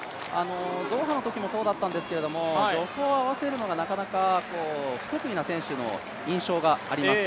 ドーハのときもそうだったんですけど、助走を合わせるのがなかなか不得意な選手の印象があります。